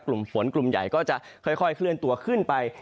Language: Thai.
กลุ่มฝนกลุ่มใหญ่ก็จะค่อยเคลื่อนตัวขึ้นไป